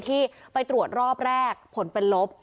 ที่ไปตรวจรอบแรกผลเป็นลบ